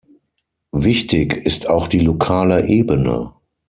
Wichtig ist auch die lokale Ebene.